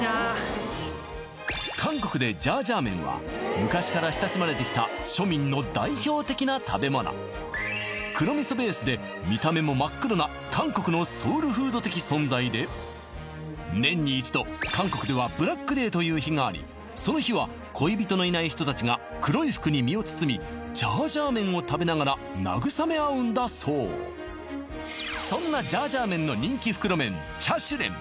韓国でジャージャー麺は昔から親しまれてきた庶民の代表的な食べ物黒味噌ベースで見た目も真っ黒な韓国のソウルフード的存在で年に一度韓国ではブラックデーという日がありその日は恋人のいない人たちが黒い服に身を包みジャージャー麺を食べながら慰め合うんだそうそんなジャージャー麺の人気袋麺チャシュレン